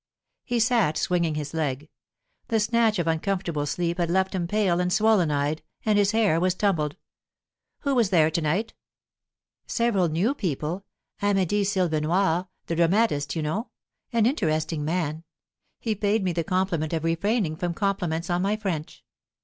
He sat swinging his leg. The snatch of uncomfortable sleep had left him pale and swollen eyed, and his hair was tumbled. "Who was there to night?" "Several new people. Amedee Silvenoire the dramatist, you know; an interesting man. He paid me the compliment of refraining from compliments on my French.